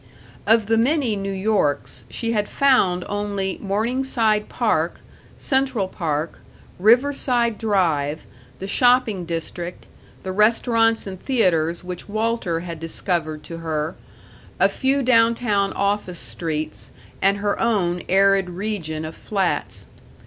Of the many New Yorks, she had found only Morningside Park, Central Park, Riverside Drive, the shopping district, the restaurants and theaters which Walter had discovered to her, a few down town office streets, and her own arid region of flats.